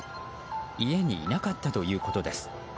家にいなかったということです。